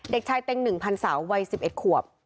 เด็กชายเต็งหนึ่งภัญศาสตร์วัย๑๒ขวบ